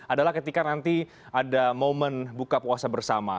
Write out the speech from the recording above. adalah ketika nanti ada momen buka puasa bersama